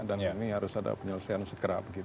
ini harus ada penyelesaian segera